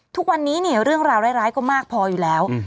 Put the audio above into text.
ทุกวันนี้เนี่ยเรื่องราวร้ายก็มากพออยู่แล้ว